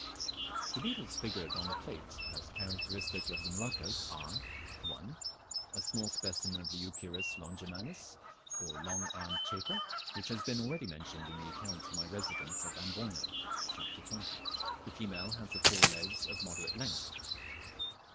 The beetles figured on the plate as characteristic of the Moluccas are: 1. A small specimen of the Euchirus longimanus, or Long armed Chafer, which has been already mentioned in the account of my residence at Amboyna (Chapter XX.). The female has the fore legs of moderate length.